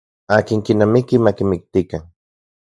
Akin kinamiki makimiktikan.